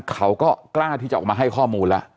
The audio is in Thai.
เขาก็กล้าที่จะออกมาให้ข้อมูลแล้ว